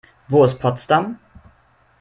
Wo ist Potsdam?